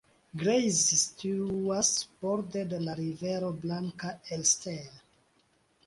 Greiz situas borde de la rivero Blanka Elster.